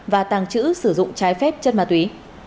và tàng trữ sử dụng trái phép chất ma túy